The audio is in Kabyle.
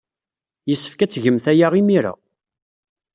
Yessefk ad tgemt aya imir-a.